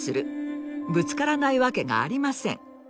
ぶつからないわけがありません。